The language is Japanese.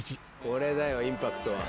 これだよインパクトは。